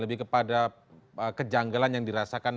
lebih kepada kejanggalan yang dirasakan